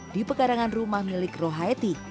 di pekarangan rumah milik rohaiti